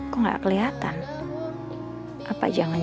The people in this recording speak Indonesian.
terus kuat pria happy dayington